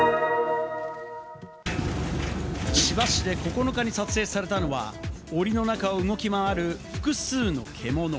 千葉市で９日に撮影されたのは、おりの中を動き回る複数の獣。